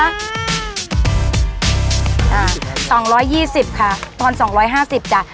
อ่าสองร้อยยี่สิบค่ะตอนสองร้อยห้าสิบจ้ะ